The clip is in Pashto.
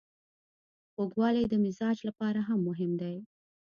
خوږوالی د مزاج لپاره هم مهم دی.